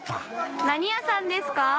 何屋さんですか？